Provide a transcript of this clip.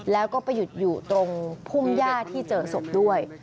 แล้วก็ไปหยุดอยู่ตรงพุ่มย่าที่เจอศพด้วย